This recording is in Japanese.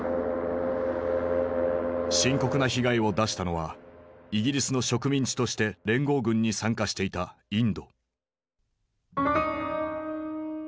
深刻な被害を出したのはイギリスの植民地として連合軍に参加していたインド。